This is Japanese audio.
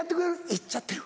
いっちゃってる。